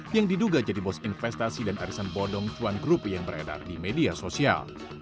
yang diduga jadi bos investasi dan arisan bodong tuan grup yang beredar di media sosial